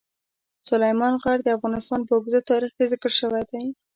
سلیمان غر د افغانستان په اوږده تاریخ کې ذکر شوی دی.